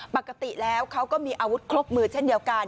ปกติแล้วเขาก็มีอาวุธครบมือเช่นเดียวกัน